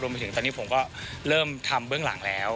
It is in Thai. ไปถึงตอนนี้ผมก็เริ่มทำเบื้องหลังแล้ว